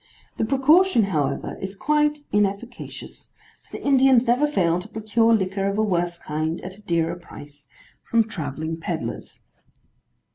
The precaution, however, is quite inefficacious, for the Indians never fail to procure liquor of a worse kind, at a dearer price, from travelling pedlars.